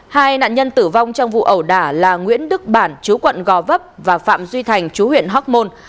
hai nạn nhân tử vong trong vụ ẩu đả là nguyễn đức bản chú quận gò vấp và phạm duy thành chú huyện hóc môn